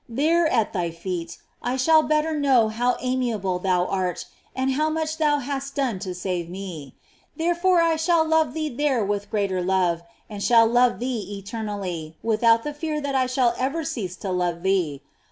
There, at thy feet, I shall better know how amiable thou art, and how much thou hast done to save me; therefore I shall love thee there with greater love, and shall love thee eternally, with out the fear that I shall ever cease to love thee.